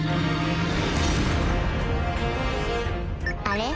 あれ？